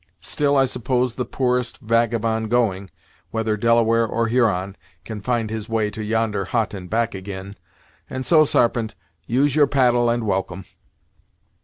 Still I suppose the poorest vagabond going, whether Delaware or Huron, can find his way to yonder hut and back ag'in, and so, Sarpent, use your paddle and welcome."